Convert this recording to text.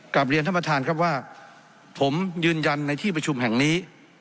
กลับเรียนท่านประธานครับว่าผมยืนยันในที่ประชุมแห่งนี้